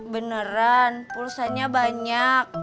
beneran pulsa nya banyak